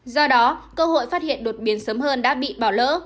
do đó cơ hội phát hiện đột biến sớm hơn đã bị bỏ lỡ